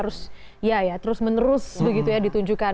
terus ya ya terus menerus begitu ya ditunjukkan